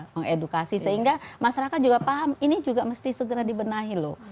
mengedukasi sehingga masyarakat juga paham ini juga mesti segera dibenahi loh